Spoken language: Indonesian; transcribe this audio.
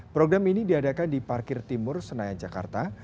program ini diadakan di parkir timur senayan jakarta